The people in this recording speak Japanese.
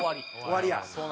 終わりや。